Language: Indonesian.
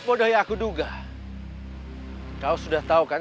kadang kadang ketika kita k green